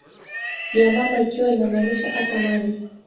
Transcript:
ya mama ikiwa inamaanisha ata maji